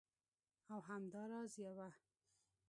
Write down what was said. او همدا راز یوه